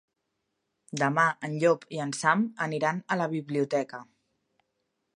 Demà en Llop i en Sam aniran a la biblioteca.